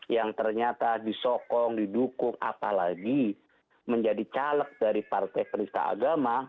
yang ternyata disokong didukung apalagi menjadi caleg dari partai peristah agama